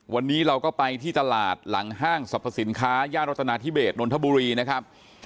วันนี้เราก็ไปที่ตลาดหลังห้างสรรพสินค้าย่านรัตนาธิเบสนนทบุรีนะครับ